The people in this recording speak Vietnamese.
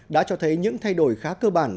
đã cho thấy những thay đổi khá cơ bản